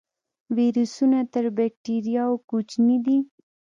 ویروسونه تر بکتریاوو کوچني دي